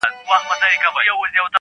ښه په ټینګه مي تعهد ور سره کړی,